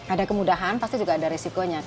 ada kemudahan pasti juga ada risikonya